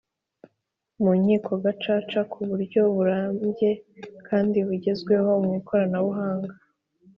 mu Nkiko Gacaca ku buryo burambye kandi bugezweho mu ikoranabuhang